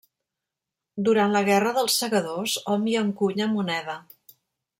Durant la Guerra dels Segadors hom hi encunya moneda.